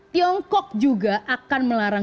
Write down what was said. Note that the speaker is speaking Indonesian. tiongkok juga akan melarang